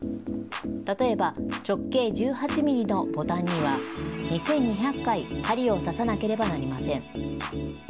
例えば直径１８ミリのボタンには、２２００回針を刺さなければなりません。